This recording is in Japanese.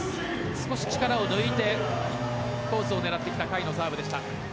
少し力を抜いてコースを狙ってきた甲斐のサーブでした。